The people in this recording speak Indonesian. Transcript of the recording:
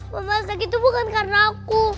mama sakit itu bukan karena aku